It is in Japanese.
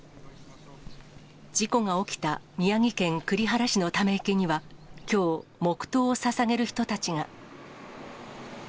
事故が起きた宮城県栗原市のため池には、きょう、黙とうをささげる人たちが。